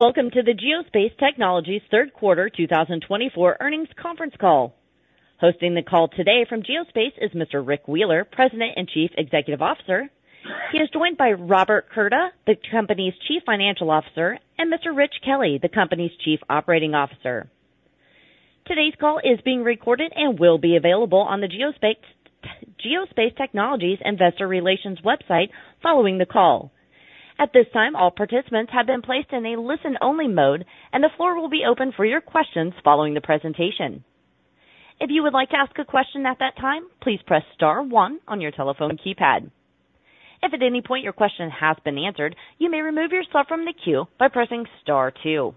Welcome to the Geospace Technologies third quarter 2024 earnings conference call. Hosting the call today from Geospace is Mr. Rick Wheeler, President and Chief Executive Officer. He is joined by Robert Curda, the company's Chief Financial Officer, and Mr. Rich Kelly, the company's Chief Operating Officer. Today's call is being recorded and will be available on the Geospace, Geospace Technologies Investor Relations website following the call. At this time, all participants have been placed in a listen-only mode, and the floor will be open for your questions following the presentation. If you would like to ask a question at that time, please press star one on your telephone keypad. If at any point your question has been answered, you may remove yourself from the queue by pressing star two.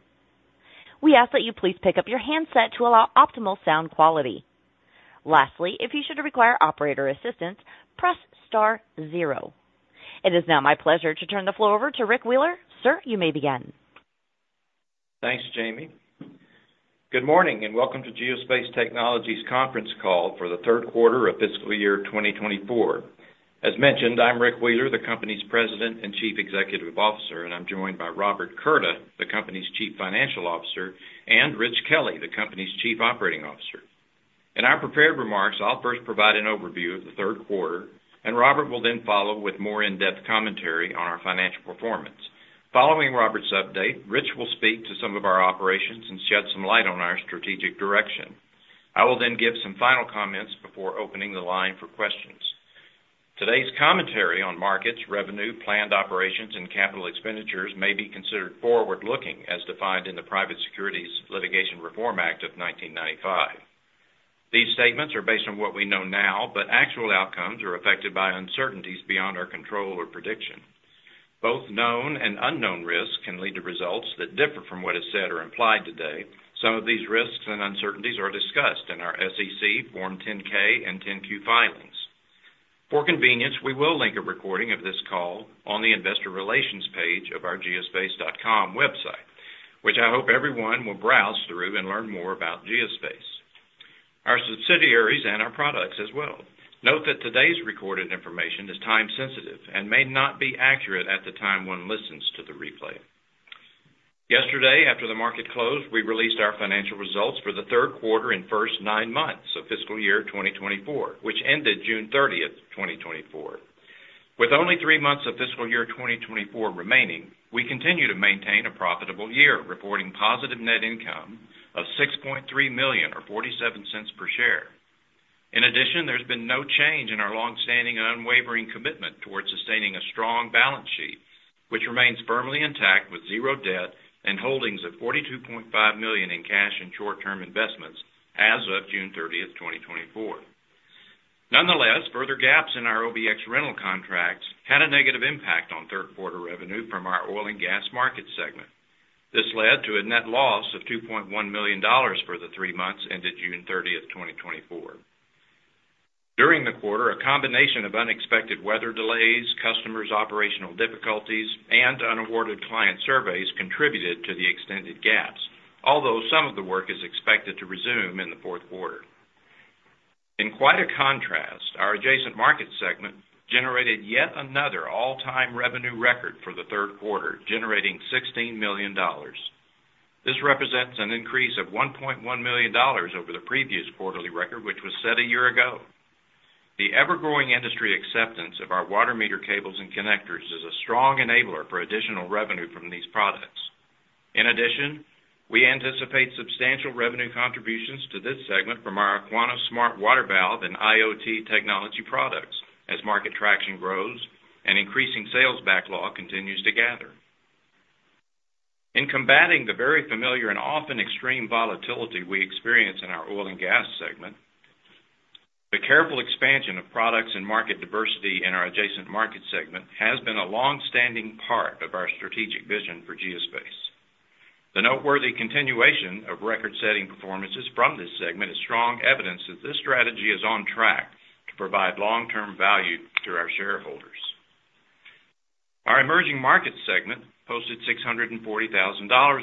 We ask that you please pick up your handset to allow optimal sound quality. Lastly, if you should require operator assistance, press star zero. It is now my pleasure to turn the floor over to Rick Wheeler. Sir, you may begin. Thanks, Jamie. Good morning, and welcome to Geospace Technologies conference call for the third quarter of fiscal year 2024. As mentioned, I'm Rick Wheeler, the company's President and Chief Executive Officer, and I'm joined by Robert Curda, the company's Chief Financial Officer, and Rich Kelly, the company's Chief Operating Officer. In our prepared remarks, I'll first provide an overview of the third quarter, and Robert will then follow with more in-depth commentary on our financial performance. Following Robert's update, Rich will speak to some of our operations and shed some light on our strategic direction. I will then give some final comments before opening the line for questions. Today's commentary on markets, revenue, planned operations, and capital expenditures may be considered forward-looking, as defined in the Private Securities Litigation Reform Act of 1995. These statements are based on what we know now, but actual outcomes are affected by uncertainties beyond our control or prediction. Both known and unknown risks can lead to results that differ from what is said or implied today. Some of these risks and uncertainties are discussed in our SEC Form 10-K and 10-Q filings. For convenience, we will link a recording of this call on the Investor Relations page of our Geospace.com website, which I hope everyone will browse through and learn more about Geospace, our subsidiaries, and our products as well. Note that today's recorded information is time-sensitive and may not be accurate at the time one listens to the replay. Yesterday, after the market closed, we released our financial results for the third quarter and first nine months of fiscal year 2024, which ended June 30, 2024. With only three months of fiscal year 2024 remaining, we continue to maintain a profitable year, reporting positive net income of $6.3 million, or $0.47 per share. In addition, there's been no change in our long-standing and unwavering commitment towards sustaining a strong balance sheet, which remains firmly intact with zero debt and holdings of $42.5 million in cash and short-term investments as of June 30, 2024. Nonetheless, further gaps in our OBX rental contracts had a negative impact on third quarter revenue from our oil and gas market segment. This led to a net loss of $2.1 million for the three months ended June 30, 2024. During the quarter, a combination of unexpected weather delays, customers' operational difficulties, and unawarded client surveys contributed to the extended gaps, although some of the work is expected to resume in the fourth quarter. In quite a contrast, our adjacent market segment generated yet another all-time revenue record for the third quarter, generating $16 million. This represents an increase of $1.1 million over the previous quarterly record, which was set a year ago. The ever-growing industry acceptance of our water meter cables and connectors is a strong enabler for additional revenue from these products. In addition, we anticipate substantial revenue contributions to this segment from our Aquana smart water valve and IoT technology products as market traction grows and increasing sales backlog continues to gather. In combating the very familiar and often extreme volatility we experience in our oil and gas segment, the careful expansion of products and market diversity in our adjacent market segment has been a long-standing part of our strategic vision for Geospace. The noteworthy continuation of record-setting performances from this segment is strong evidence that this strategy is on track to provide long-term value to our shareholders. Our emerging market segment posted $640,000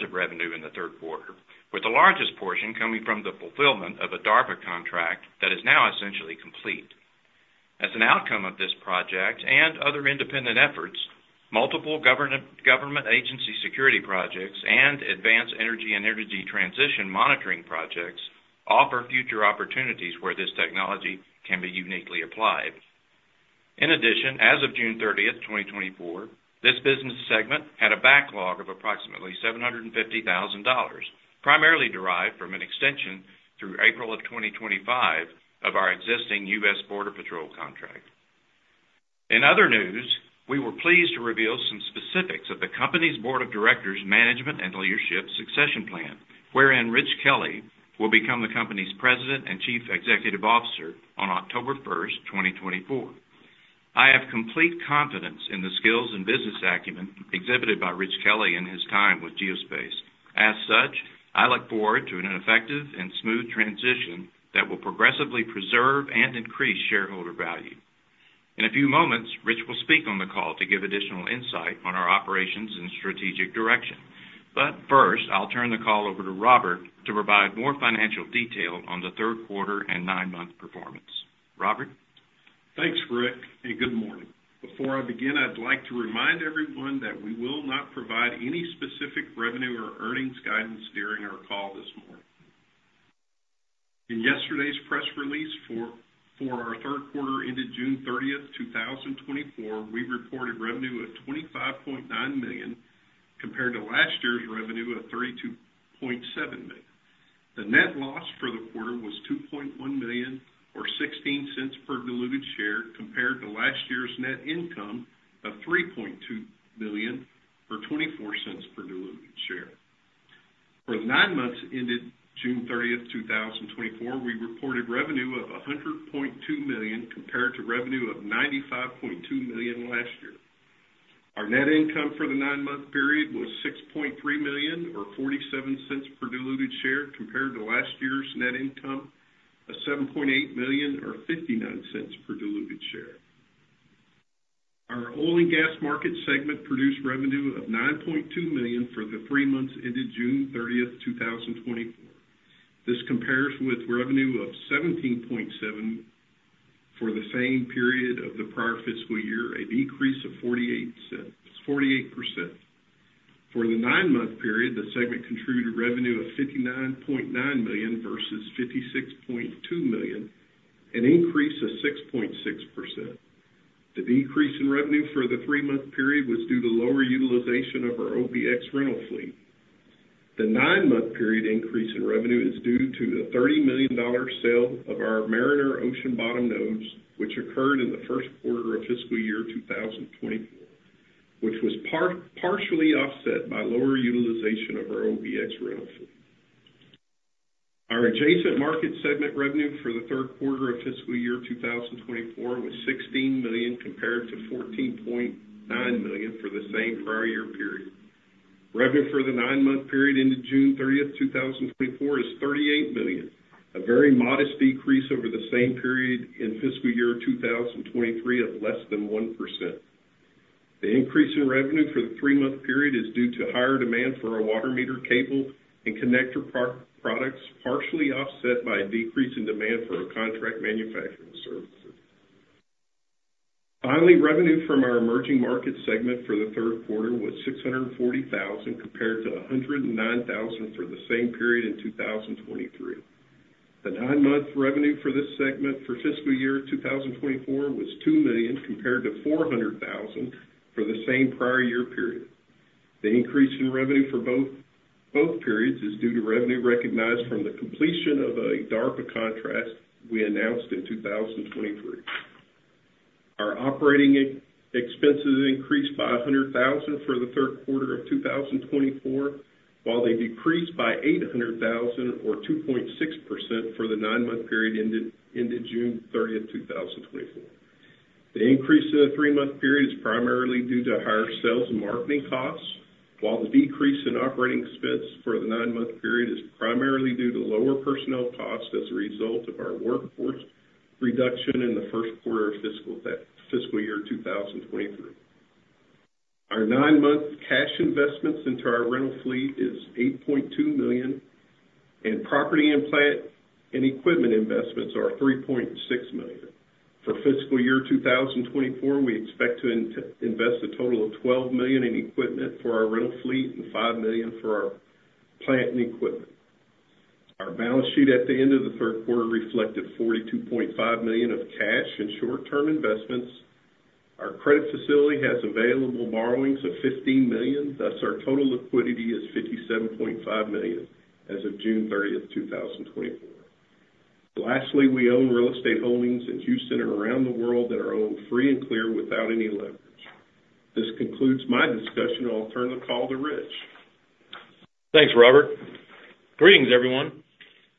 of revenue in the third quarter, with the largest portion coming from the fulfillment of a DARPA contract that is now essentially complete. As an outcome of this project and other independent efforts, multiple government agency security projects and advanced energy and energy transition monitoring projects offer future opportunities where this technology can be uniquely applied. In addition, as of June 30, 2024, this business segment had a backlog of approximately $750,000, primarily derived from an extension through April of 2025 of our existing US Border Patrol contract. In other news, we were pleased to reveal some specifics of the company's board of directors' management and leadership succession plan, wherein Rich Kelly will become the company's President and Chief Executive Officer on October 1, 2024. I have complete confidence in the skills and business acumen exhibited by Rich Kelly in his time with Geospace. As such, I look forward to an effective and smooth transition that will progressively preserve and increase shareholder value. In a few moments, Rich will speak on the call to give additional insight on our operations and strategic direction. But first, I'll turn the call over to Robert to provide more financial detail on the third quarter and nine-month performance. Robert?... Thanks, Rick, and good morning. Before I begin, I'd like to remind everyone that we will not provide any specific revenue or earnings guidance during our call this morning. In yesterday's press release for our third quarter, ended June 30, 2024, we reported revenue of $25.9 million, compared to last year's revenue of $32.7 million. The net loss for the quarter was $2.1 million, or 16 cents per diluted share, compared to last year's net income of $3.2 million, or 24 cents per diluted share. For the nine months ended June 30, 2024, we reported revenue of $100.2 million, compared to revenue of $95.2 million last year. Our net income for the 9-month period was $6.3 million, or $0.47 per diluted share, compared to last year's net income of $7.8 million, or $0.59 per diluted share. Our oil and gas market segment produced revenue of $9.2 million for the 3 months ended June 30, 2024. This compares with revenue of $17.7 million for the same period of the prior fiscal year, a decrease of 48%. For the 9-month period, the segment contributed revenue of $59.9 million versus $56.2 million, an increase of 6.6%. The decrease in revenue for the 3-month period was due to lower utilization of our OBX rental fleet. The 9-month period increase in revenue is due to a $30 million sale of our Mariner ocean bottom nodes, which occurred in the first quarter of fiscal year 2024, which was partially offset by lower utilization of our OBX rental fleet. Our adjacent market segment revenue for the third quarter of fiscal year 2024 was $16 million, compared to $14.9 million for the same prior year period. Revenue for the 9-month period into June 30, 2024, is $38 million, a very modest decrease over the same period in fiscal year 2023 of less than 1%. The increase in revenue for the 3-month period is due to higher demand for our water meter, cable, and connector products, partially offset by a decrease in demand for our contract manufacturing services. Finally, revenue from our emerging market segment for the third quarter was $640,000, compared to $109,000 for the same period in 2023. The nine-month revenue for this segment for fiscal year 2024 was $2 million, compared to $400,000 for the same prior year period. The increase in revenue for both periods is due to revenue recognized from the completion of a DARPA contract we announced in 2023. Our operating expenses increased by $100,000 for the third quarter of 2024, while they decreased by $800,000, or 2.6%, for the nine-month period ended June 30, 2024. The increase in the three-month period is primarily due to higher sales and marketing costs, while the decrease in operating expense for the nine-month period is primarily due to lower personnel costs as a result of our workforce reduction in the first quarter of fiscal year 2023. Our nine-month cash investments into our rental fleet is $8.2 million, and property and plant and equipment investments are $3.6 million. For fiscal year 2024, we expect to invest a total of $12 million in equipment for our rental fleet and $5 million for our plant and equipment. Our balance sheet at the end of the third quarter reflected $42.5 million of cash and short-term investments. Our credit facility has available borrowings of $15 million, thus our total liquidity is $57.5 million as of June 30, 2024. Lastly, we own real estate holdings in Houston and around the world that are owned free and clear without any leverage. This concludes my discussion, and I'll turn the call to Rich. Thanks, Robert. Greetings, everyone.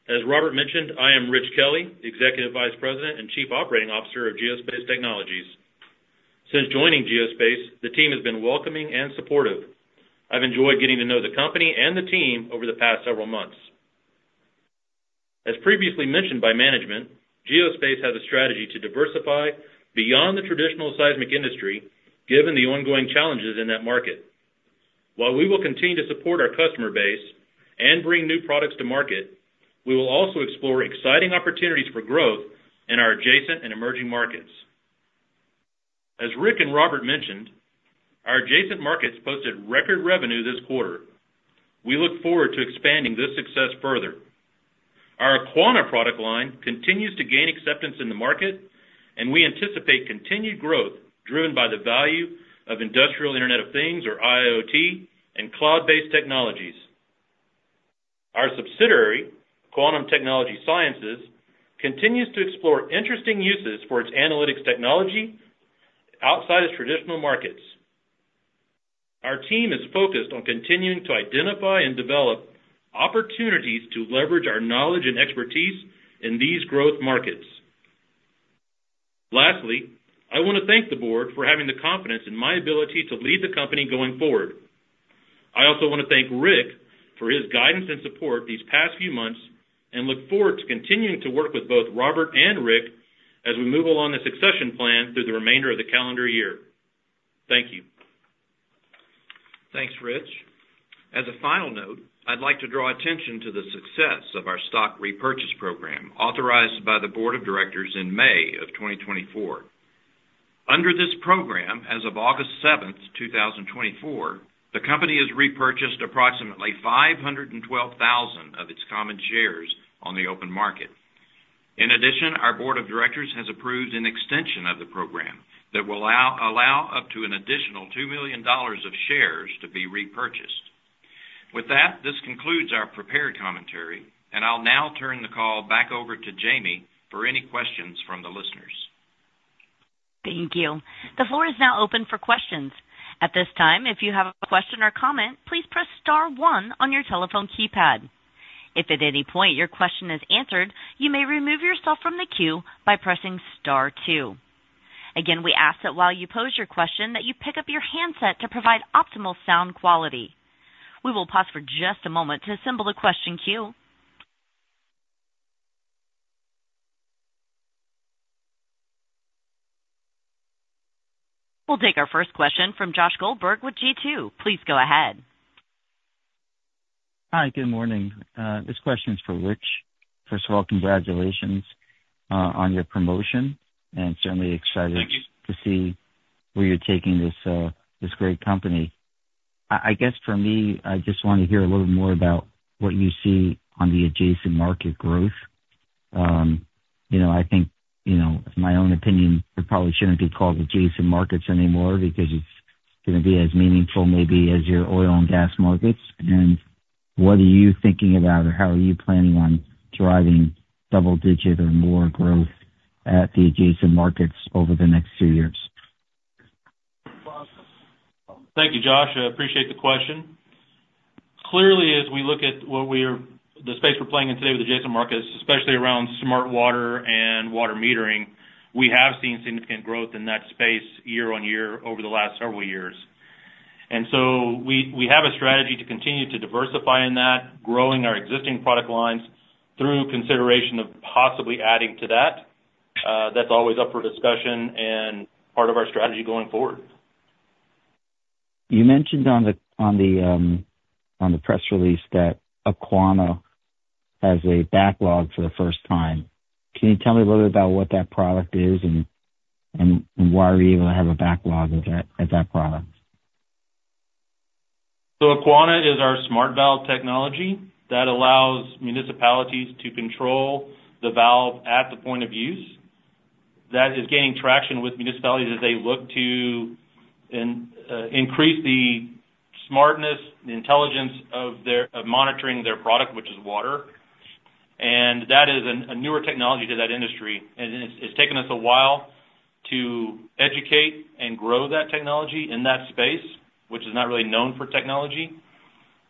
As Robert mentioned, I am Rich Kelly, Executive Vice President and Chief Operating Officer of Geospace Technologies. Since joining Geospace, the team has been welcoming and supportive. I've enjoyed getting to know the company and the team over the past several months. As previously mentioned by management, Geospace has a strategy to diversify beyond the traditional seismic industry, given the ongoing challenges in that market. While we will continue to support our customer base and bring new products to market, we will also explore exciting opportunities for growth in our adjacent and emerging markets. As Rick and Robert mentioned, our adjacent markets posted record revenue this quarter. We look forward to expanding this success further. Our Aquana product line continues to gain acceptance in the market, and we anticipate continued growth driven by the value of industrial Internet of Things, or IoT, and cloud-based technologies. Our subsidiary, Quantum Technology Sciences, continues to explore interesting uses for its analytics technology outside of traditional markets. Our team is focused on continuing to identify and develop opportunities to leverage our knowledge and expertise in these growth markets. Lastly, I wanna thank the board for having the confidence in my ability to lead the company going forward. I also wanna thank Rick for his guidance and support these past few months, and look forward to continuing to work with both Robert and Rick as we move along the succession plan through the remainder of the calendar year. Thank you. Thanks, Rich. As a final note, I'd like to draw attention to the success of our stock repurchase program, authorized by the board of directors in May of 2024. Under this program, as of August seventh, 2024, the company has repurchased approximately 512,000 of its common shares on the open market. In addition, our board of directors has approved an extension of the program that will allow up to an additional $2 million of shares to be repurchased. With that, this concludes our prepared commentary, and I'll now turn the call back over to Jamie for any questions from the listeners. Thank you. The floor is now open for questions. At this time, if you have a question or comment, please press star one on your telephone keypad. If at any point your question is answered, you may remove yourself from the queue by pressing star two. Again, we ask that while you pose your question, that you pick up your handset to provide optimal sound quality. We will pause for just a moment to assemble a question queue. We'll take our first question from Josh Goldberg with G2. Please go ahead. Hi, good morning. This question is for Rich. First of all, congratulations on your promotion, and certainly excited- Thank you. -to see where you're taking this, this great company. I, I guess for me, I just want to hear a little more about what you see on the adjacent market growth. You know, I think, you know, my own opinion, it probably shouldn't be called adjacent markets anymore because it's gonna be as meaningful maybe as your oil and gas markets. And what are you thinking about, or how are you planning on driving double digit or more growth at the adjacent markets over the next few years? Thank you, Josh. I appreciate the question. Clearly, as we look at what we are, the space we're playing in today with adjacent markets, especially around smart water and water metering, we have seen significant growth in that space year on year over the last several years. And so we have a strategy to continue to diversify in that, growing our existing product lines through consideration of possibly adding to that. That's always up for discussion and part of our strategy going forward. You mentioned on the press release that Aquana has a backlog for the first time. Can you tell me a little bit about what that product is and why are you able to have a backlog of that product? So Aquana is our smart valve technology that allows municipalities to control the valve at the point of use. That is gaining traction with municipalities as they look to increase the smartness and intelligence of their of monitoring their product, which is water. And that is a newer technology to that industry, and it's taken us a while to educate and grow that technology in that space, which is not really known for technology,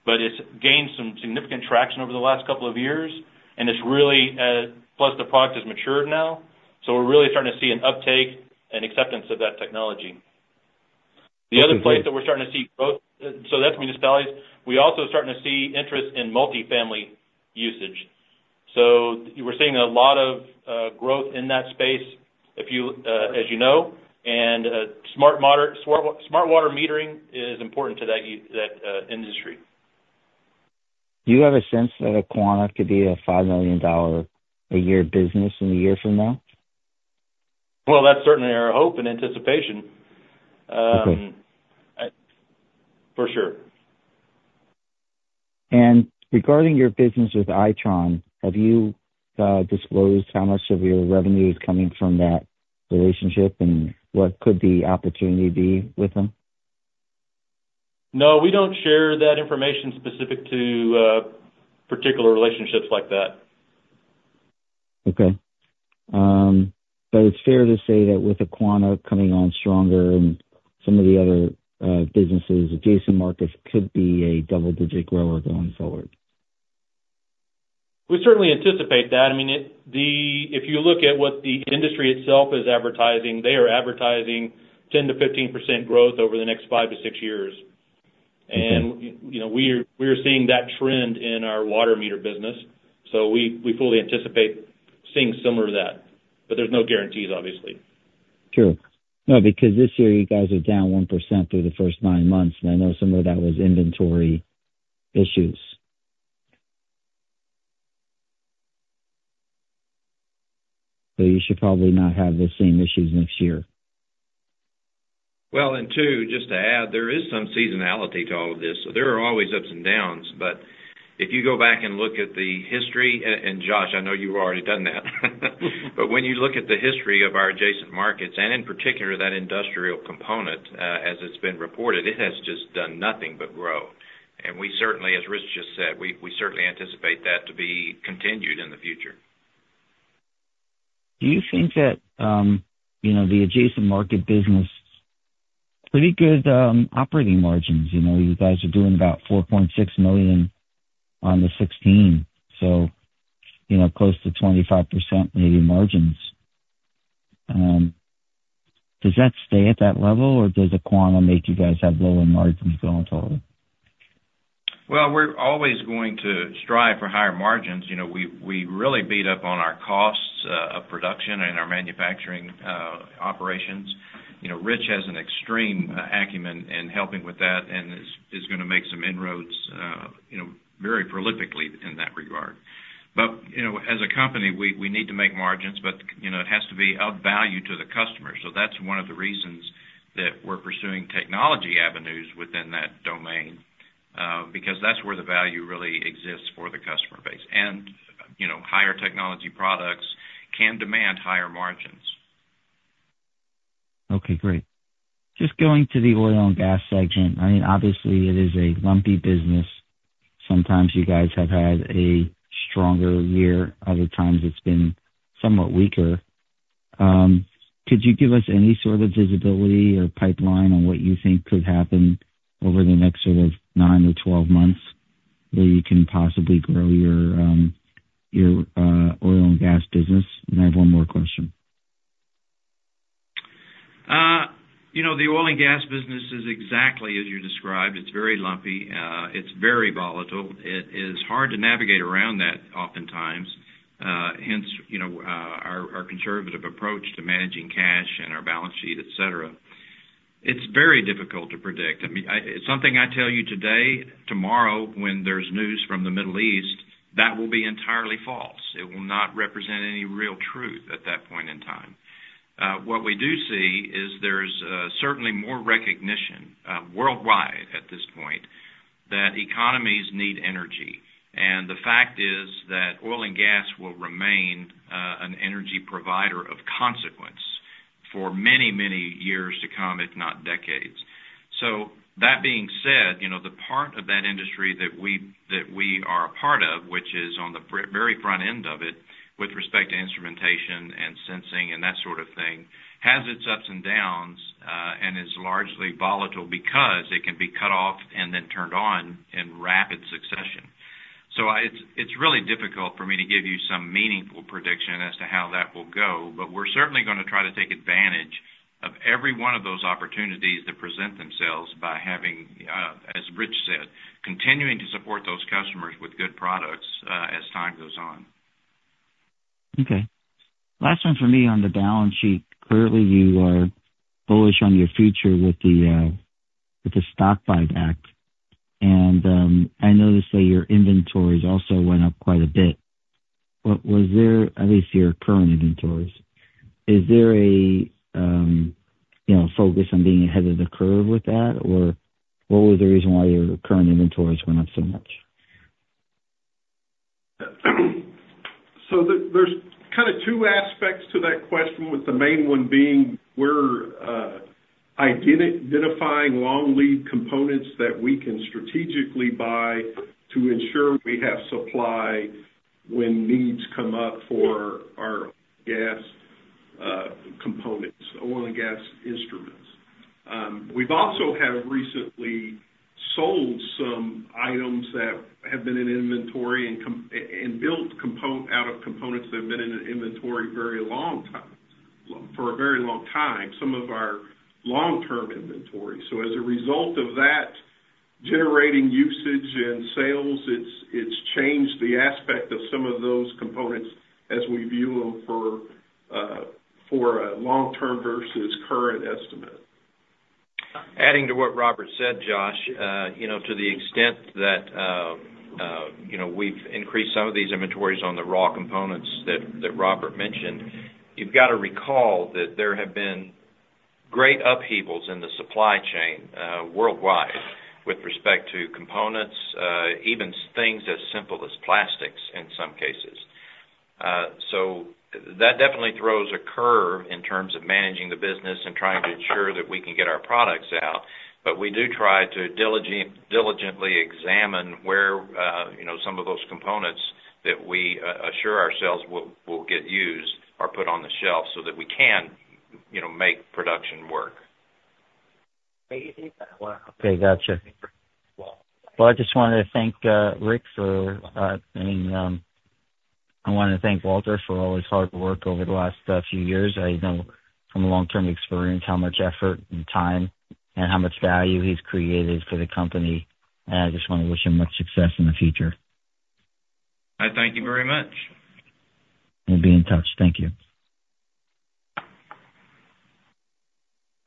but it's gained some significant traction over the last couple of years, and it's really plus, the product has matured now, so we're really starting to see an uptake and acceptance of that technology. Okay. The other place that we're starting to see growth, so that's municipalities. We're also starting to see interest in multifamily usage. So we're seeing a lot of growth in that space, if you, as you know, and smart water metering is important to that industry. Do you have a sense that Aquana could be a $5 million-a-year business in a year from now? Well, that's certainly our hope and anticipation. Okay. For sure. Regarding your business with Itron, have you disclosed how much of your revenue is coming from that relationship, and what could the opportunity be with them? No, we don't share that information specific to, particular relationships like that. Okay. But it's fair to say that with Aquana coming on stronger and some of the other businesses, adjacent markets could be a double-digit grower going forward. We certainly anticipate that. I mean, if you look at what the industry itself is advertising, they are advertising 10%-15% growth over the next 5-6 years. Okay. And, you know, we're seeing that trend in our water meter business, so we fully anticipate seeing similar to that, but there's no guarantees, obviously. Sure. No, because this year you guys are down 1% through the first nine months, and I know some of that was inventory issues. So you should probably not have the same issues next year. Well, and two, just to add, there is some seasonality to all of this, so there are always ups and downs. But if you go back and look at the history, and, and Josh, I know you've already done that, but when you look at the history of our adjacent markets and in particular, that industrial component, as it's been reported, it has just done nothing but grow. And we certainly, as Rich just said, we, we certainly anticipate that to be continued in the future. Do you think that, you know, the adjacent market business, pretty good operating margins. You know, you guys are doing about $4.6 million on the $16 million, so, you know, close to 25% maybe margins. Does that stay at that level, or does Aquana make you guys have lower margins going forward?... Well, we're always going to strive for higher margins. You know, we really beat up on our costs of production and our manufacturing operations. You know, Rich has an extreme acumen in helping with that and is gonna make some inroads, you know, very prolifically in that regard. But, you know, as a company, we need to make margins, but, you know, it has to be of value to the customer. So that's one of the reasons that we're pursuing technology avenues within that domain, because that's where the value really exists for the customer base. And, you know, higher technology products can demand higher margins. Okay, great. Just going to the oil and gas section. I mean, obviously, it is a lumpy business. Sometimes you guys have had a stronger year, other times it's been somewhat weaker. Could you give us any sort of visibility or pipeline on what you think could happen over the next sort of nine to 12 months, where you can possibly grow your oil and gas business? And I have one more question. You know, the oil and gas business is exactly as you described. It's very lumpy. It's very volatile. It is hard to navigate around that oftentimes, hence, you know, our conservative approach to managing cash and our balance sheet, et cetera. It's very difficult to predict. I mean, something I tell you today, tomorrow, when there's news from the Middle East, that will be entirely false. It will not represent any real truth at that point in time. What we do see is there's certainly more recognition worldwide at this point, that economies need energy. And the fact is that oil and gas will remain an energy provider of consequence for many, many years to come, if not decades. So that being said, you know, the part of that industry that we are a part of, which is on the very front end of it, with respect to instrumentation and sensing and that sort of thing, has its ups and downs, and is largely volatile because it can be cut off and then turned on in rapid succession. It's really difficult for me to give you some meaningful prediction as to how that will go, but we're certainly gonna try to take advantage of every one of those opportunities that present themselves by having, as Rich said, continuing to support those customers with good products, as time goes on. Okay. Last one for me on the balance sheet. Currently, you are bullish on your future with the stock buyback. I noticed that your inventories also went up quite a bit. What was there, at least your current inventories, is there a you know, focus on being ahead of the curve with that? Or what was the reason why your current inventories went up so much? So there, there's kind of two aspects to that question, with the main one being, we're identifying long lead components that we can strategically buy to ensure we have supply when needs come up for our gas components, oil and gas instruments. We've also have recently sold some items that have been in inventory and built out of components that have been in an inventory a very long time, for a very long time, some of our long-term inventory. So as a result of that, generating usage and sales, it's changed the aspect of some of those components as we view them for a long-term versus current estimate. Adding to what Robert said, Josh, you know, to the extent that, you know, we've increased some of these inventories on the raw components that Robert mentioned, you've got to recall that there have been great upheavals in the supply chain worldwide, with respect to components, even things as simple as plastics in some cases. So that definitely throws a curve in terms of managing the business and trying to ensure that we can get our products out. But we do try to diligently examine where, you know, some of those components that we assure ourselves will get used or put on the shelf so that we can, you know, make production work. Okay, gotcha. Well, I just wanted to thank, Rick, for, I mean, I want to thank Walter for all his hard work over the last few years. I know from a long-term experience how much effort and time and how much value he's created for the company, and I just want to wish him much success in the future. I thank you very much. We'll be in touch. Thank you.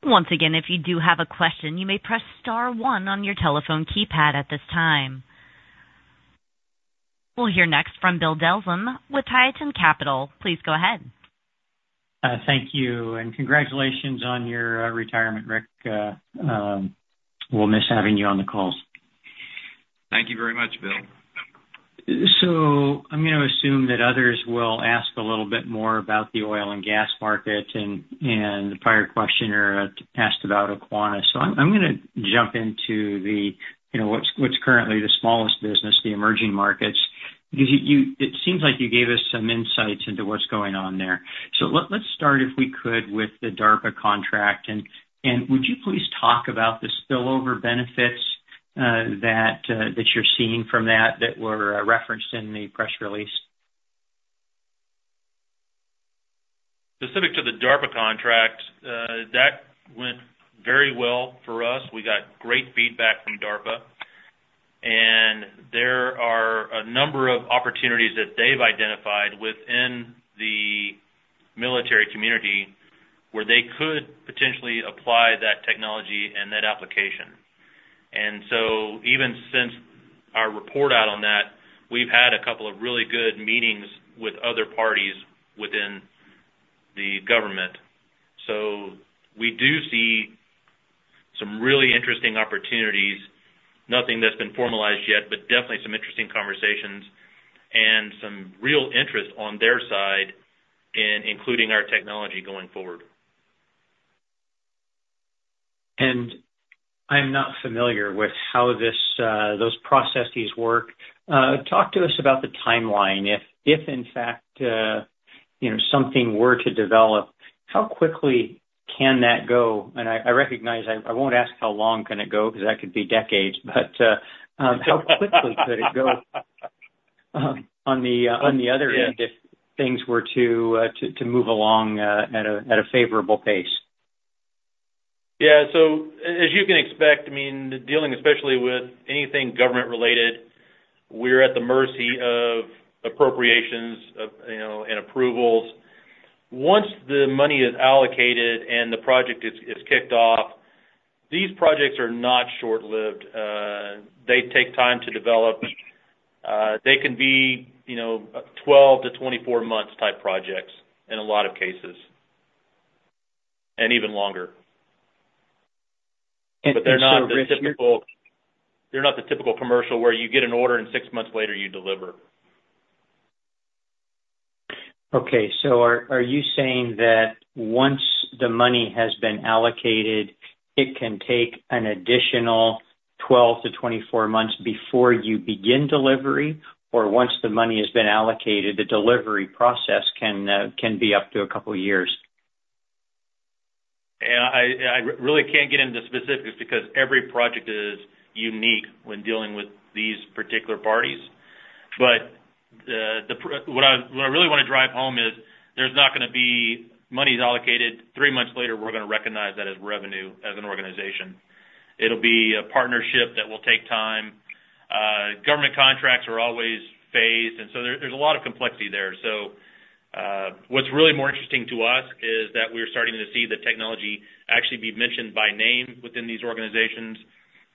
Once again, if you do have a question, you may press star one on your telephone keypad at this time. We'll hear next from Bill Dezellem with Tieton Capital. Please go ahead. Thank you, and congratulations on your retirement, Rick. We'll miss having you on the calls. Thank you very much, Bill. So I'm gonna assume that others will ask a little bit more about the oil and gas market, and the prior questioner asked about Aquana. So I'm gonna jump into the, you know, what's currently the smallest business, the emerging markets. Because you it seems like you gave us some insights into what's going on there. So let's start, if we could, with the DARPA contract, and would you please talk about the spillover benefits that you're seeing from that that were referenced in the press release?... Specific to the DARPA contract, that went very well for us. We got great feedback from DARPA, and there are a number of opportunities that they've identified within the military community where they could potentially apply that technology and that application. Even since our report out on that, we've had a couple of really good meetings with other parties within the government. We do see some really interesting opportunities. Nothing that's been formalized yet, but definitely some interesting conversations and some real interest on their side in including our technology going forward. I'm not familiar with how this, those processes work. Talk to us about the timeline. If in fact, you know, something were to develop, how quickly can that go? And I recognize I won't ask how long can it go, because that could be decades, but how quickly could it go on the other end if things were to move along at a favorable pace? Yeah. So as you can expect, I mean, dealing especially with anything government-related, we're at the mercy of appropriations of, you know, and approvals. Once the money is allocated and the project is kicked off, these projects are not short-lived. They take time to develop. They can be, you know, 12-24 months type projects in a lot of cases, and even longer. And so- But they're not the typical commercial, where you get an order and six months later you deliver. Okay, so are you saying that once the money has been allocated, it can take an additional 12-24 months before you begin delivery? Or once the money has been allocated, the delivery process can be up to a couple of years? Yeah, I really can't get into specifics because every project is unique when dealing with these particular parties. But what I really wanna drive home is there's not gonna be money is allocated, three months later, we're gonna recognize that as revenue as an organization. It'll be a partnership that will take time. Government contracts are always phased, and so there's a lot of complexity there. So, what's really more interesting to us is that we're starting to see the technology actually be mentioned by name within these organizations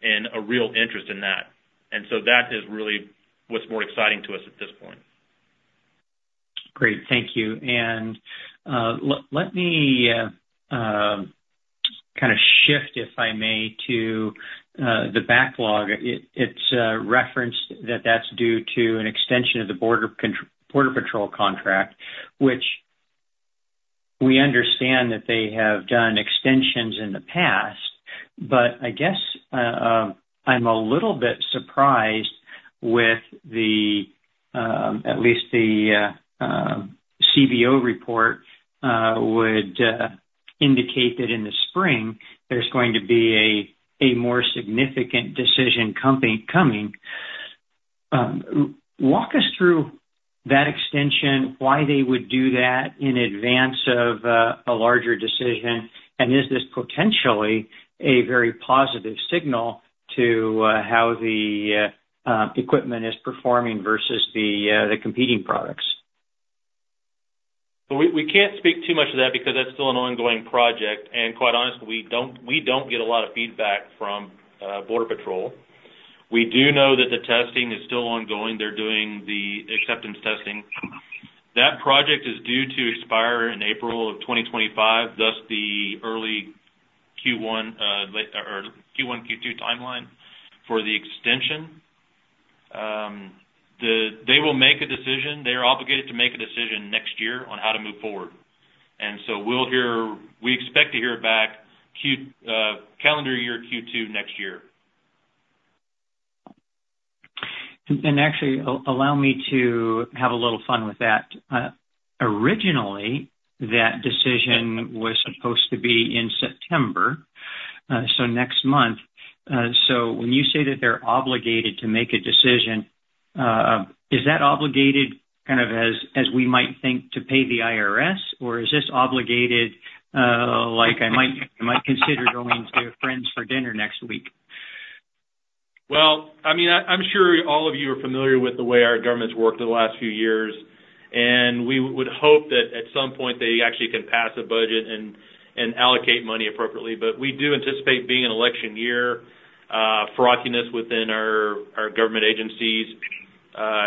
and a real interest in that. And so that is really what's more exciting to us at this point. Great. Thank you. And, let me kind of shift, if I may, to the backlog. It's referenced that that's due to an extension of the Border Patrol contract, which we understand that they have done extensions in the past, but I guess, I'm a little bit surprised with the at least the CBO report would indicate that in the spring there's going to be a more significant decision coming. Walk us through that extension, why they would do that in advance of a larger decision, and is this potentially a very positive signal to how the equipment is performing versus the competing products? So we can't speak too much to that because that's still an ongoing project, and quite honestly, we don't get a lot of feedback from Border Patrol. We do know that the testing is still ongoing. They're doing the acceptance testing. That project is due to expire in April of 2025, thus the early Q1 or Q1, Q2 timeline for the extension. They will make a decision. They are obligated to make a decision next year on how to move forward, and so we'll hear. We expect to hear back Q calendar year Q2 next year. Actually, allow me to have a little fun with that. Originally, that decision was supposed to be in September, so next month. So when you say that they're obligated to make a decision, is that obligated kind of as, as we might think to pay the IRS, or is this obligated, like I might, I might consider going to a friend's for dinner next week? Well, I mean, I'm sure all of you are familiar with the way our government's worked the last few years, and we would hope that at some point they actually can pass a budget and allocate money appropriately. But we do anticipate, being an election year, fickleness within our government agencies,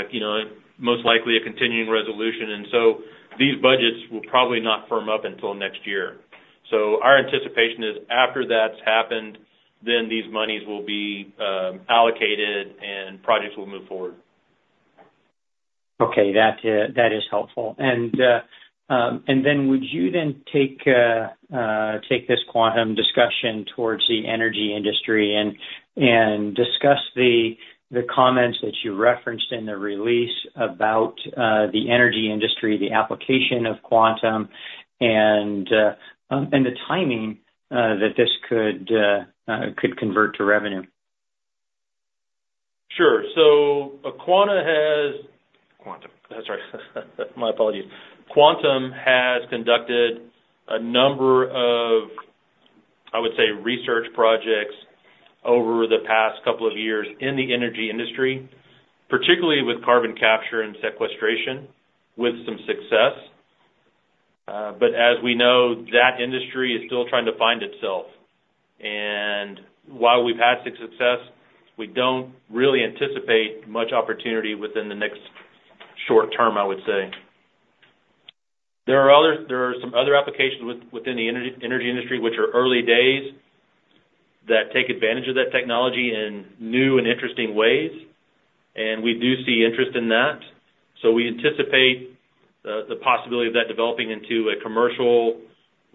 you know, most likely a continuing resolution. And so these budgets will probably not firm up until next year. So our anticipation is after that's happened, then these monies will be allocated and projects will move forward. Okay, that is helpful. And then would you take this Quantum discussion towards the energy industry and discuss the comments that you referenced in the release about the energy industry, the application of Quantum, and the timing that this could convert to revenue?... Sure. So Aquana has, Quantum, I'm sorry, my apologies. Quantum has conducted a number of, I would say, research projects over the past couple of years in the energy industry, particularly with carbon capture and sequestration, with some success. But as we know, that industry is still trying to find itself. And while we've had success, we don't really anticipate much opportunity within the next short term, I would say. There are some other applications within the energy industry, which are early days, that take advantage of that technology in new and interesting ways, and we do see interest in that. So we anticipate the possibility of that developing into a commercial,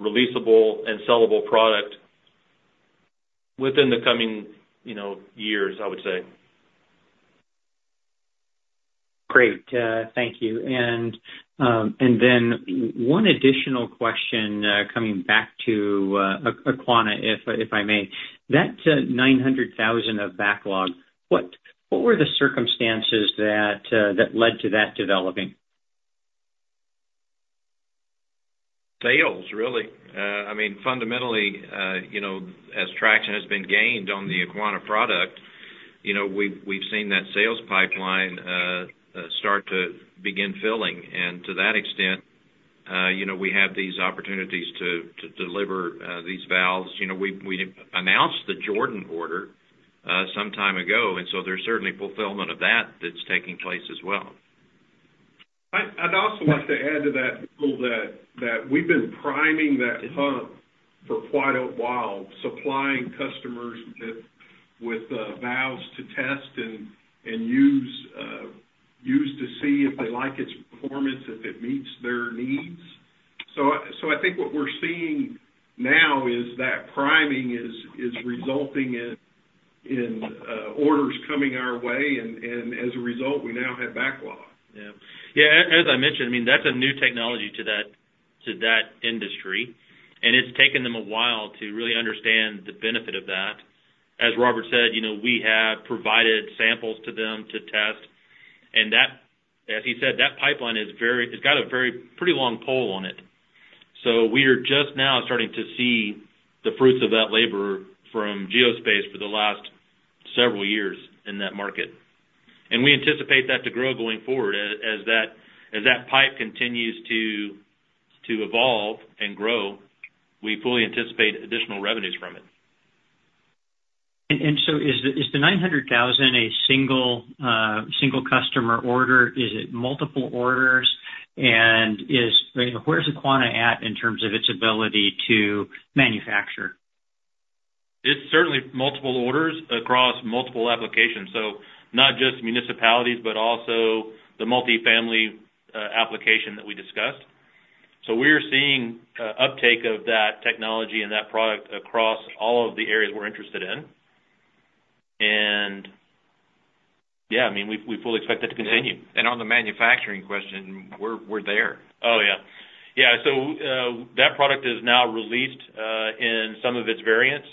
releasable, and sellable product within the coming, you know, years, I would say. Great, thank you. And then one additional question, coming back to Aquana, if I may. That $900,000 of backlog, what were the circumstances that led to that developing? Sales, really. I mean, fundamentally, you know, as traction has been gained on the Aquana product, you know, we've seen that sales pipeline start to begin filling. And to that extent, you know, we have these opportunities to deliver these valves. You know, we announced the Jordan order some time ago, and so there's certainly fulfillment of that that's taking place as well. I'd also like to add to that, Bill, that we've been priming that pump for quite a while, supplying customers with valves to test and use to see if they like its performance, if it meets their needs. So I think what we're seeing now is that priming is resulting in orders coming our way, and as a result, we now have backlog. Yeah. Yeah, as I mentioned, I mean, that's a new technology to that industry, and it's taken them a while to really understand the benefit of that. As Robert said, you know, we have provided samples to them to test, and that, as he said, that pipeline is very... it's got a very pretty long pole on it. So we are just now starting to see the fruits of that labor from Geospace for the last several years in that market. And we anticipate that to grow going forward. As that pipe continues to evolve and grow, we fully anticipate additional revenues from it. So, is the $900,000 a single customer order? Is it multiple orders? And, you know, where is Aquana at in terms of its ability to manufacture? It's certainly multiple orders across multiple applications, so not just municipalities, but also the multifamily, application that we discussed. So we're seeing, uptake of that technology and that product across all of the areas we're interested in. And yeah, I mean, we fully expect that to continue. And on the manufacturing question, we're there. Oh, yeah. Yeah, so, that product is now released, in some of its variants,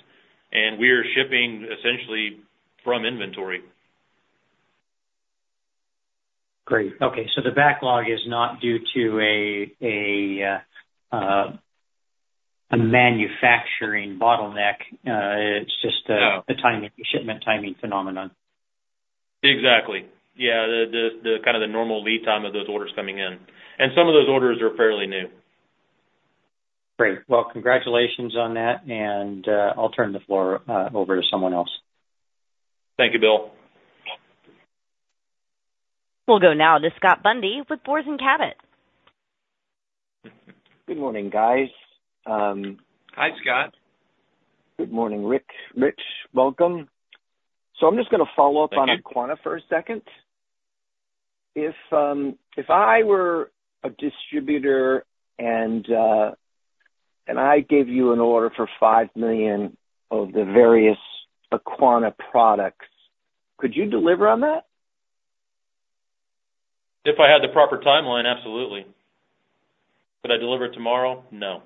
and we are shipping essentially from inventory. Great. Okay, so the backlog is not due to a manufacturing bottleneck. No. It's just a timing, shipment timing phenomenon. Exactly. Yeah, the kind of the normal lead time of those orders coming in, and some of those orders are fairly new. Great. Well, congratulations on that, and I'll turn the floor over to someone else. Thank you, Bill. We'll go now to Scott Bundy with Moors & Cabot. Good morning, guys. Hi, Scott. Good morning, Rick, Rich. Welcome. So I'm just gonna follow up- Thank you. - on Aquana for a second. If I were a distributor and I gave you an order for 5 million of the various Aquana products, could you deliver on that? If I had the proper timeline, absolutely. Could I deliver tomorrow? No.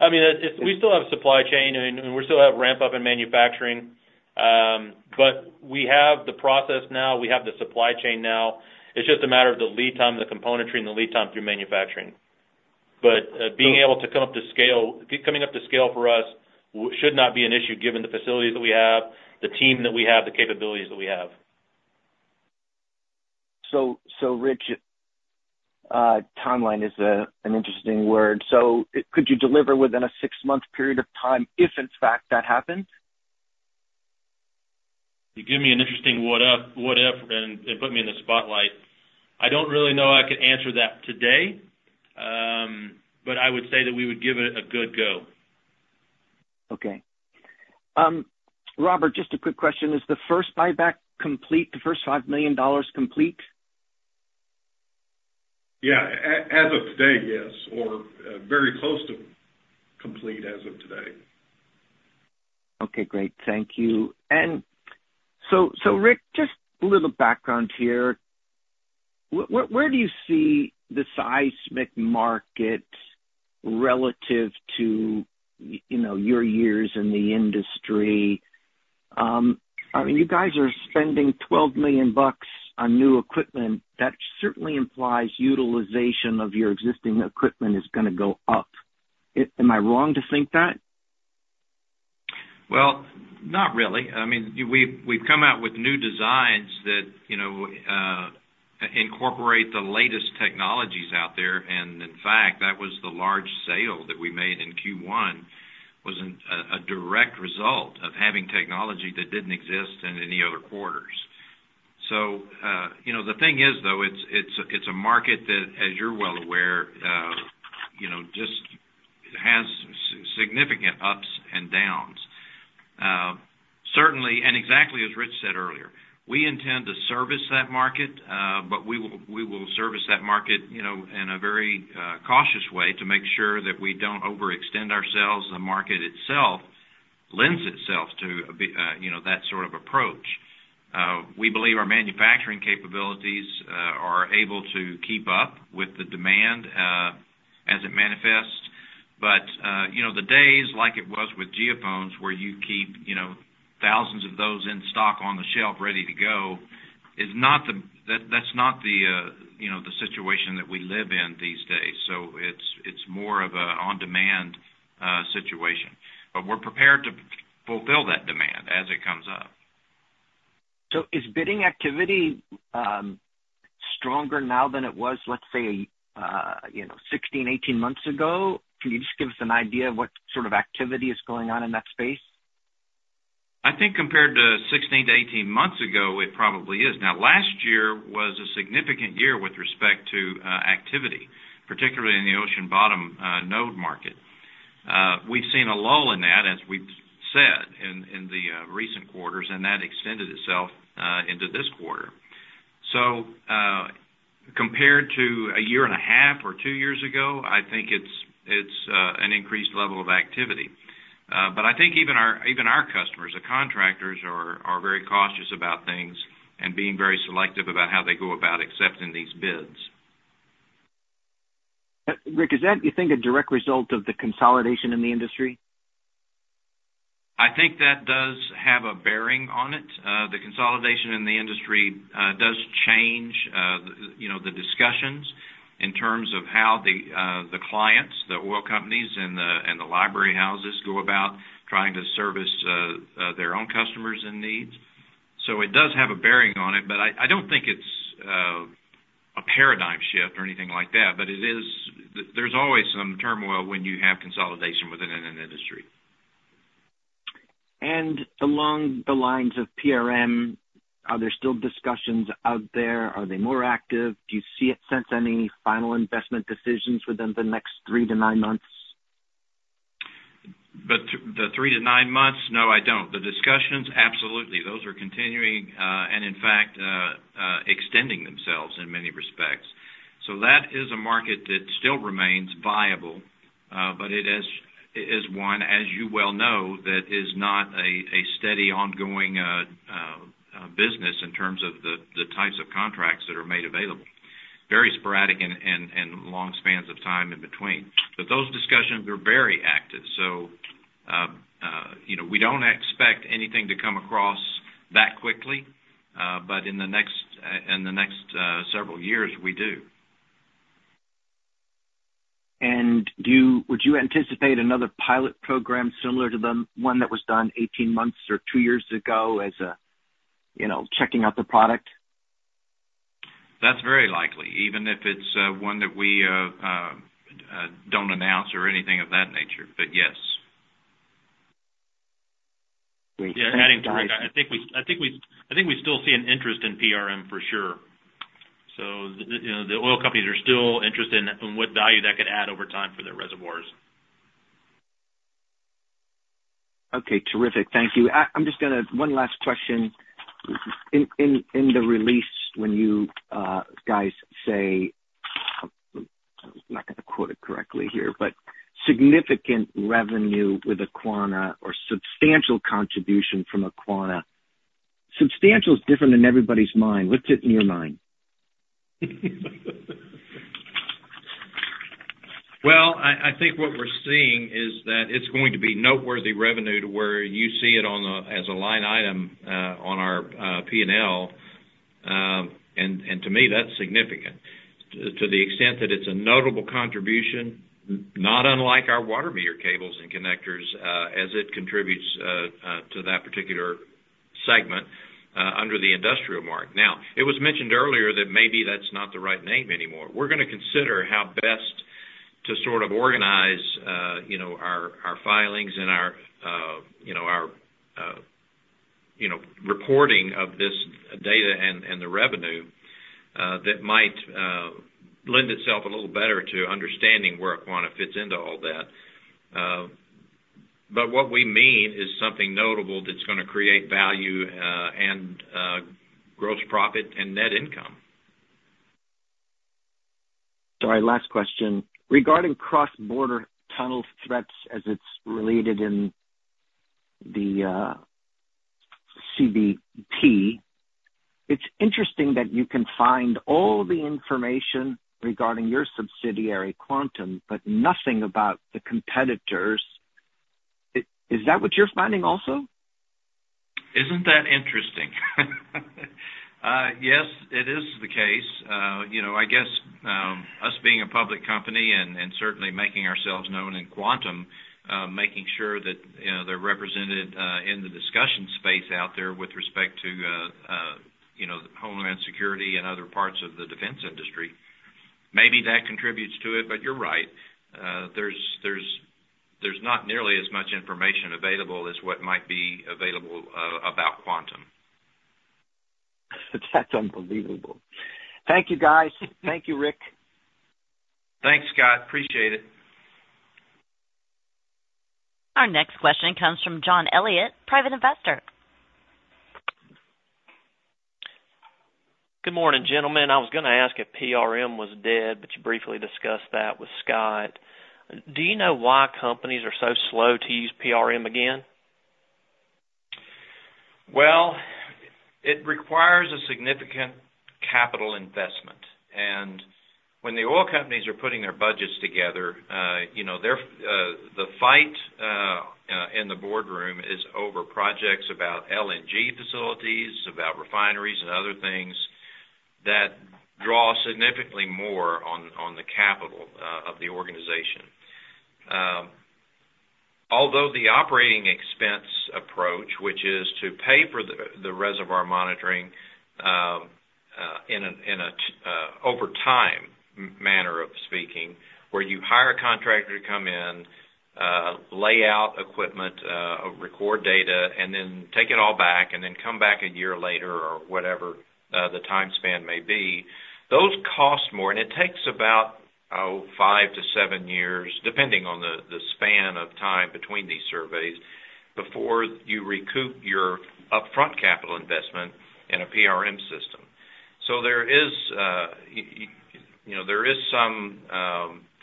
I mean, we still have supply chain, and we still have ramp up in manufacturing, but we have the process now, we have the supply chain now. It's just a matter of the lead time, the componentry and the lead time through manufacturing. But, being able to come up to scale—coming up to scale for us should not be an issue given the facilities that we have, the team that we have, the capabilities that we have. So, Rich, timeline is an interesting word. So could you deliver within a six-month period of time, if in fact, that happens? You give me an interesting what up, what if, and put me in the spotlight. I don't really know I could answer that today, but I would say that we would give it a good go. Okay. Robert, just a quick question. Is the first buyback complete, the first $5 million complete? Yeah, as of today, yes, or very close to complete as of today. Okay, great. Thank you. And so, so Rick, just a little background here. Where do you see the seismic market relative to, you know, your years in the industry? I mean, you guys are spending $12 million on new equipment. That certainly implies utilization of your existing equipment is gonna go up. Am I wrong to think that? Well, not really. I mean, we've come out with new designs that, you know, incorporate the latest technologies out there. And in fact, that was the large sale that we made in Q1, was a direct result of having technology that didn't exist in any other quarters. So, you know, the thing is, though, it's a market that, as you're well aware, you know, just has significant ups and downs. Certainly, and exactly as Rich said earlier, we intend to service that market, but we will service that market, you know, in a very cautious way to make sure that we don't overextend ourselves. The market itself lends itself to a, you know, that sort of approach. We believe our manufacturing capabilities are able to keep up with the demand as it manifests. But you know, the days like it was with geophones, where you keep, you know, thousands of those in stock on the shelf, ready to go, is not the-- that's, that's not the, you know, the situation that we live in these days. So it's, it's more of a on-demand situation. But we're prepared to fulfill that demand as it comes up. Is bidding activity stronger now than it was, let's say, you know, 16, 18 months ago? Can you just give us an idea of what sort of activity is going on in that space? I think compared to 16-18 months ago, it probably is. Now, last year was a significant year with respect to activity, particularly in the ocean bottom node market. We've seen a lull in that, as we've said in the recent quarters, and that extended itself into this quarter. So, compared to a year and a half or two years ago, I think it's an increased level of activity. But I think even our customers, the contractors are very cautious about things and being very selective about how they go about accepting these bids. Rick, is that, you think, a direct result of the consolidation in the industry? I think that does have a bearing on it. The consolidation in the industry does change, you know, the discussions in terms of how the, the clients, the oil companies and the, and the library houses go about trying to service, their own customers and needs. So it does have a bearing on it, but I, I don't think it's, a paradigm shift or anything like that, but it is... There's always some turmoil when you have consolidation within an industry. Along the lines of PRM, are there still discussions out there? Are they more active? Do you see any final investment decisions within the next 3-9 months? The 3-9 months, no, I don't. The discussions, absolutely. Those are continuing, and in fact, extending themselves in many respects. So that is a market that still remains viable, but it is, it is one, as you well know, that is not a, a steady, ongoing business in terms of the, the types of contracts that are made available. Very sporadic and long spans of time in between. But those discussions are very active, so, you know, we don't expect anything to come across that quickly, but in the next several years, we do. Would you anticipate another pilot program similar to the one that was done 18 months or 2 years ago as a, you know, checking out the product? That's very likely, even if it's one that we don't announce or anything of that nature, but yes. Great, thank you- Yeah, adding to Rick, I think we still see an interest in PRM, for sure. So, you know, the oil companies are still interested in what value that could add over time for their reservoirs. Okay, terrific. Thank you. I'm just gonna... One last question: In the release, when you guys say, I'm not gonna quote it correctly here, but significant revenue with Aquana or substantial contribution from Aquana. Substantial is different in everybody's mind. What's it in your mind? Well, I think what we're seeing is that it's going to be noteworthy revenue, to where you see it as a line item on our P&L. And to me, that's significant. To the extent that it's a notable contribution, not unlike our water meter cables and connectors, as it contributes to that particular segment under the industrial market. Now, it was mentioned earlier that maybe that's not the right name anymore. We're gonna consider how best to sort of organize, you know, our filings and our, you know, our reporting of this data and the revenue that might lend itself a little better to understanding where Aquana fits into all that. But what we mean is something notable that's gonna create value, and gross profit and net income.... Sorry, last question. Regarding cross-border tunnel threats as it's related in the CBT, it's interesting that you can find all the information regarding your subsidiary, Quantum, but nothing about the competitors. Is that what you're finding also? Isn't that interesting? Yes, it is the case. You know, I guess, us being a public company and certainly making ourselves known in Quantum, making sure that, you know, they're represented in the discussion space out there with respect to, you know, homeland security and other parts of the defense industry, maybe that contributes to it, but you're right. There's not nearly as much information available as what might be available about Quantum. That's unbelievable. Thank you, guys. Thank you, Rick. Thanks, Scott. Appreciate it. Our next question comes from John Elliott, private investor. Good morning, gentlemen. I was gonna ask if PRM was dead, but you briefly discussed that with Scott. Do you know why companies are so slow to use PRM again? Well, it requires a significant capital investment, and when the oil companies are putting their budgets together, you know, the fight in the boardroom is over projects about LNG facilities, about refineries and other things that draw significantly more on the capital of the organization. Although the operating expense approach, which is to pay for the reservoir monitoring in a over time manner of speaking, where you hire a contractor to come in, lay out equipment, record data, and then take it all back, and then come back a year later or whatever the time span may be, those cost more, and it takes about, oh, 5-7 years, depending on the span of time between these surveys, before you recoup your upfront capital investment in a PRM system. So there is, you know, there is some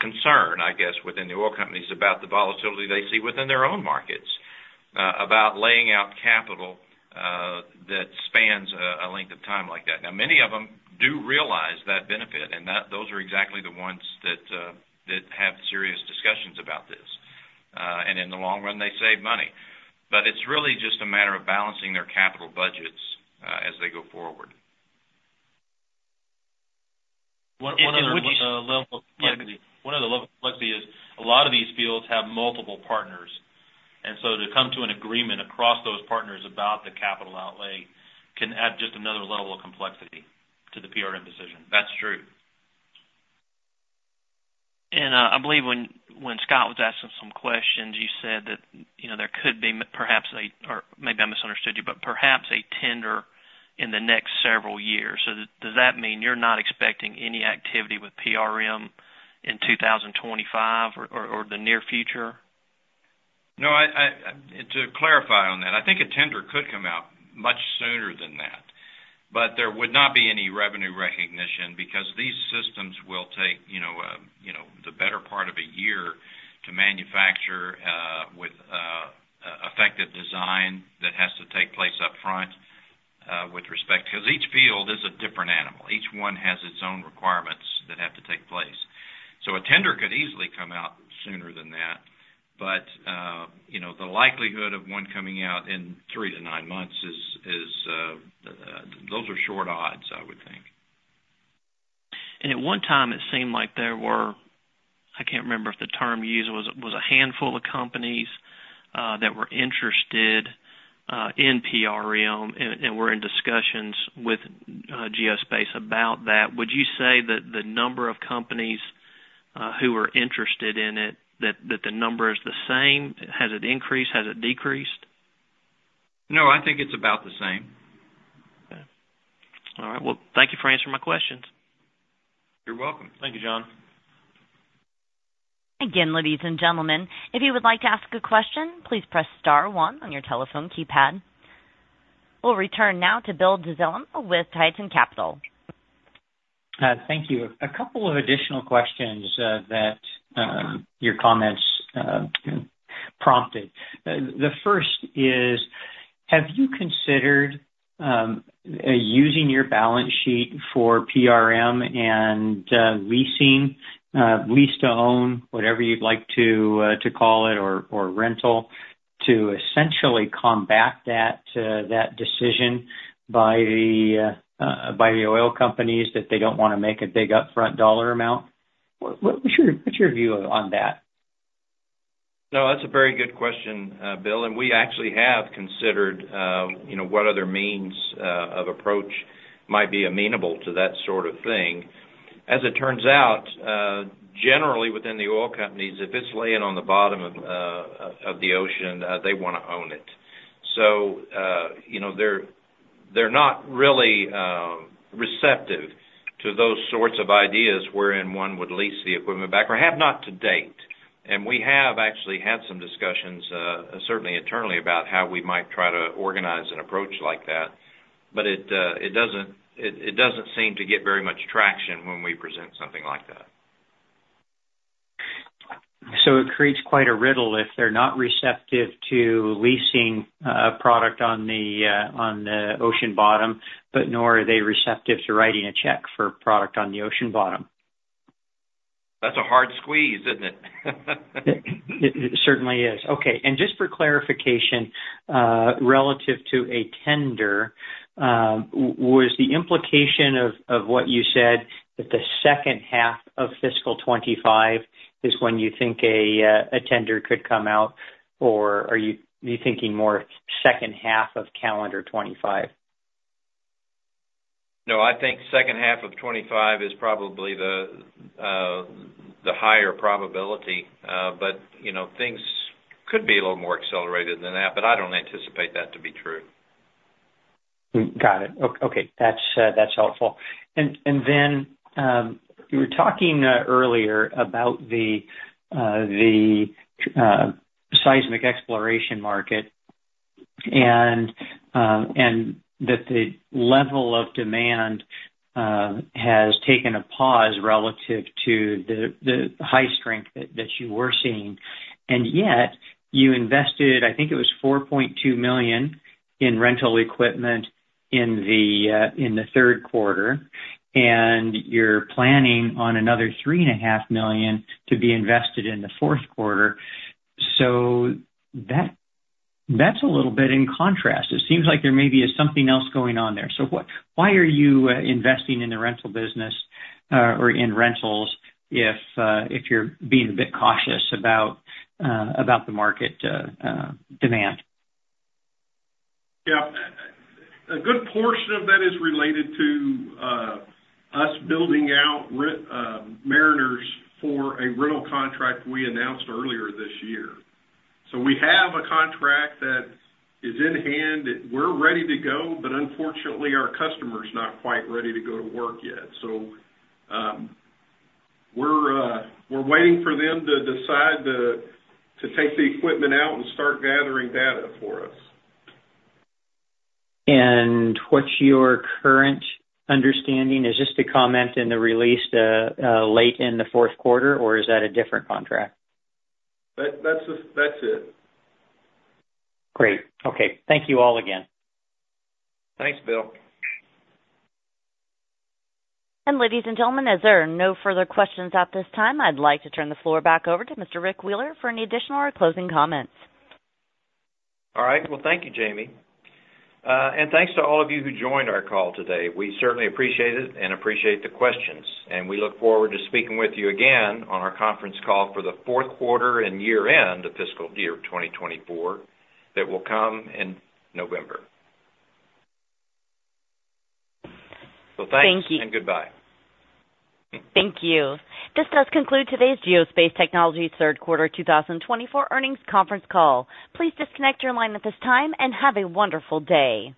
concern, I guess, within the oil companies about the volatility they see within their own markets, about laying out capital, that spans a length of time like that. Now, many of them do realize that benefit, and that-- those are exactly the ones that, that have serious discussions about this. And in the long run, they save money. But it's really just a matter of balancing their capital budgets, as they go forward. One other level of complexity is a lot of these fields have multiple partners, and so to come to an agreement across those partners about the capital outlay can add just another level of complexity to the PRM decision. That's true. I believe when Scott was asking some questions, you said that, you know, there could be perhaps a tender in the next several years. Or maybe I misunderstood you, but does that mean you're not expecting any activity with PRM in 2025 or the near future? No, to clarify on that, I think a tender could come out much sooner than that, but there would not be any revenue recognition because these systems will take, you know, you know, the better part of a year to manufacture, with effective design that has to take place upfront, with respect... Because each field is a different animal. Each one has its own requirements that have to take place. So a tender could easily come out sooner than that, but you know, the likelihood of one coming out in three to nine months is those are short odds, I would think. At one time, it seemed like there were, I can't remember if the term used was a handful of companies that were interested in PRM and were in discussions with Geospace about that. Would you say that the number of companies who are interested in it, that the number is the same? Has it increased? Has it decreased? No, I think it's about the same. Okay. All right. Well, thank you for answering my questions. You're welcome. Thank you, John. Again, ladies and gentlemen, if you would like to ask a question, please press star one on your telephone keypad. We'll return now to Bill Dezellem with Tieton Capital. Thank you. A couple of additional questions that your comments prompted. The first is, have you considered using your balance sheet for PRM and leasing, lease to own, whatever you'd like to call it, or rental, to essentially combat that decision by the oil companies that they don't wanna make a big upfront dollar amount? What's your view on that? No, that's a very good question, Bill, and we actually have considered, you know, what other means of approach might be amenable to that sort of thing. As it turns out, generally, within the oil companies, if it's laying on the bottom of the ocean, they wanna own it. So, you know, they're not really receptive to those sorts of ideas wherein one would lease the equipment back, or have not to date. And we have actually had some discussions, certainly internally, about how we might try to organize an approach like that, but it doesn't seem to get very much traction when we present something like that. It creates quite a riddle if they're not receptive to leasing product on the ocean bottom, but nor are they receptive to writing a check for product on the ocean bottom. That's a hard squeeze, isn't it? It certainly is. Okay, and just for clarification, relative to a tender, was the implication of what you said that the second half of fiscal 2025 is when you think a tender could come out, or are you thinking more second half of calendar 2025? No, I think second half of 2025 is probably the higher probability. But, you know, things could be a little more accelerated than that, but I don't anticipate that to be true. Got it. Okay, that's helpful. And then you were talking earlier about the seismic exploration market and that the level of demand has taken a pause relative to the high strength that you were seeing. And yet, you invested, I think it was $4.2 million in rental equipment in the third quarter, and you're planning on another $3.5 million to be invested in the fourth quarter. So that's a little bit in contrast. It seems like there may be something else going on there. So why are you investing in the rental business or in rentals if you're being a bit cautious about the market demand? Yeah. A good portion of that is related to us building out Mariners for a rental contract we announced earlier this year. So we have a contract that is in hand, that we're ready to go, but unfortunately, our customer's not quite ready to go to work yet. So, we're waiting for them to decide to take the equipment out and start gathering data for us. What's your current understanding? Is this the comment in the release, late in the fourth quarter, or is that a different contract? That, that's the... That's it. Great. Okay. Thank you all again. Thanks, Bill. Ladies and gentlemen, as there are no further questions at this time, I'd like to turn the floor back over to Mr. Rick Wheeler for any additional or closing comments. All right. Well, thank you, Jamie. And thanks to all of you who joined our call today. We certainly appreciate it and appreciate the questions, and we look forward to speaking with you again on our conference call for the fourth quarter and year-end of fiscal year 2024, that will come in November. So thanks- Thank you. and goodbye. Thank you. This does conclude today's Geospace Technologies third quarter 2024 earnings conference call. Please disconnect your line at this time, and have a wonderful day.